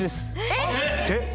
えっ！？